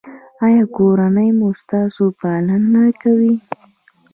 ایا کورنۍ مو ستاسو پاملرنه کوي؟